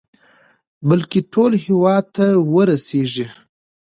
بلكې ټول هېواد ته ورسېږي.